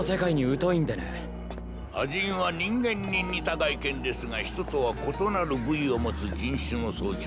亜人は人間に似た外見ですが人とは異なる部位を持つ人種の総称。